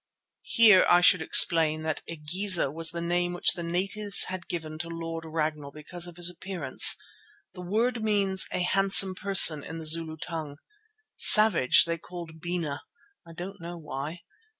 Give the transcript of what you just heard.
Here I should explain that "Igeza" was the name which the natives had given to Lord Ragnall because of his appearance. The word means a handsome person in the Zulu tongue. Savage they called "Bena," I don't know why.